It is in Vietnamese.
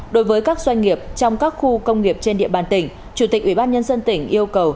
đối với các doanh nghiệp trong các khu công nghiệp trên địa bàn tỉnh chủ tịch ubnd tỉnh yêu cầu